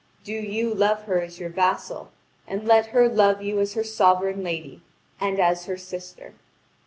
Do you love her as your vassal, and let her love you as her sovereign lady and as her sister."